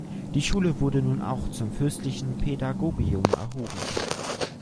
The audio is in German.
Die Schule wurde nun auch zum fürstlichen Pädagogium erhoben.